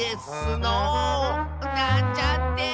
なんちゃって。